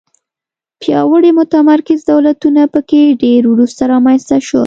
پیاوړي متمرکز دولتونه په کې ډېر وروسته رامنځته شول.